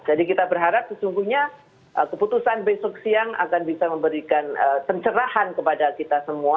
jadi kita berharap sesungguhnya keputusan besok siang akan bisa memberikan pencerahan kepada kita semua